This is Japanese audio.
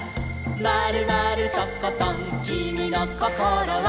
「まるまるとことんきみのこころは」